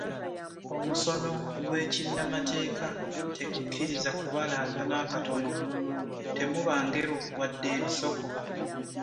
Omusono gw’ekinnamateeka tegukkiriza kubalaata n’akatono, temuba ngero wadde ebisoko.